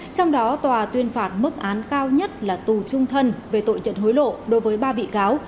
trong đó tòa tuyên phạt mức án cao nhất là tù trung thân về tội trận hối lộ đối với ba bị cáo